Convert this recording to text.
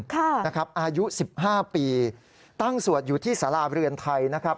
ค่ะนะครับอายุ๑๕ปีตั้งสวดอยู่ที่สลาเรือนไทยนะครับ